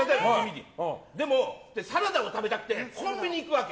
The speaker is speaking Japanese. サラダを食べたくてコンビニに行くわけ。